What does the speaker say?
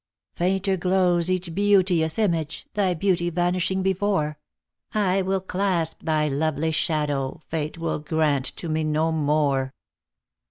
Fainter glows each beauteous image, Thy beauty vanishing before ; I will clasp thy lovely shadow, Fate will grant to me no more.